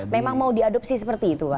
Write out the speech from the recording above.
memang mau diadopsi seperti itu pak